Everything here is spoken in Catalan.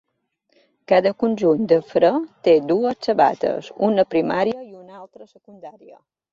Cada conjunt de fre té dues sabates, una primària i una altra secundària.